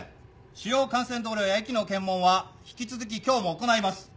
主要幹線道路や駅の検問は引き続き今日も行います。